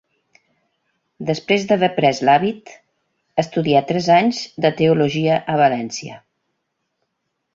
Després d'haver pres l'hàbit, estudià tres anys de teologia a València.